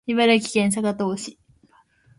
茨城県坂東市